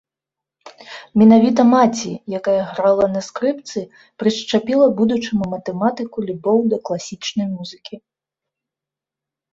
Менавіта маці, якая грала на скрыпцы, прышчапіла будучаму матэматыку любоў да класічнай музыкі.